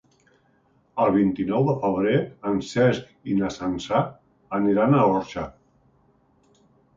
El vint-i-nou de febrer en Cesc i na Sança aniran a l'Orxa.